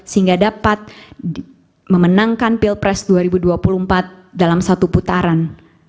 sehingga dapat memenangkan pilpres dua ribu dua puluh empat dalam satu putaran